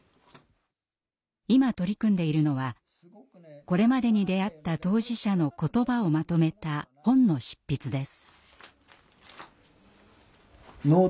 今取り組んでいるのはこれまでに出会った当事者の言葉をまとめた本の執筆です。